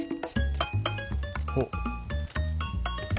おっ。